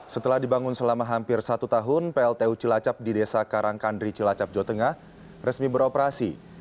setelah dibangun selama hampir satu tahun pltu cilacap di desa karangkandri cilacap jawa tengah resmi beroperasi